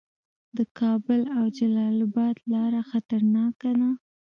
د کابل او جلال اباد لاره خطرناکه ده